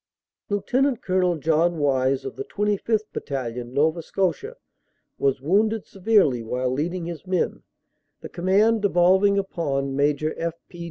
Lt. Col. John Wyse of the 25th. Battalion, Nova Scotia, was wounded severely while leading his men, the command devolving upon Major F. P.